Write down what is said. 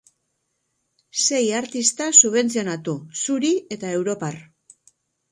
Sei artista subentzionatu, zuri eta europar.